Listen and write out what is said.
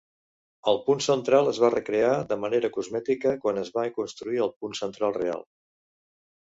El punt central es va recrear de manera cosmètica quan es va construir el punt central real.